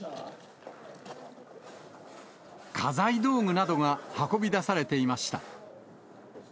家財道具などが運び出されていました。